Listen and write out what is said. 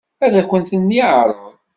Ad akent-ten-yeɛṛeḍ?